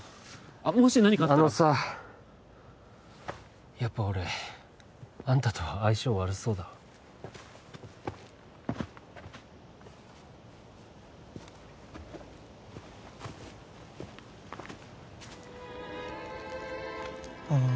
あっもし何かあのさやっぱ俺あんたとは相性悪そうだわあー